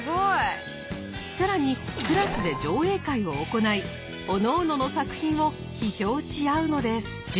更にクラスで上映会を行いおのおのの作品を批評し合うのです。